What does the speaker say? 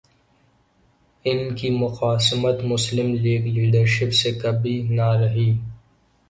ان کی مخاصمت مسلم لیگ لیڈرشپ سے کبھی نہ رہی۔